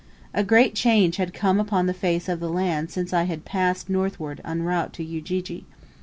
A great change had come upon the face of the land since I had passed northward en route to Ujiji.